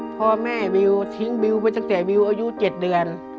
พ่อแม่บิวทิ้งบิวไปตั้งแต่วิวอายุ๗เดือน